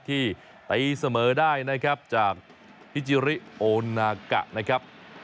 ที่ตีเสมอได้นะครับจากฮิจิริโอนากะนะครับ